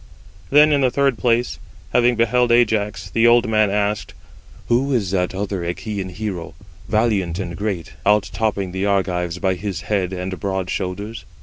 Then in the third place, having beheld Ajax, the old man asked: "Who is that other Achæan hero, valiant and great, out topping the Argives by his head and broad shoulders?"